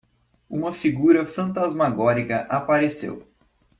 Uma figura fantasmagórica apareceu.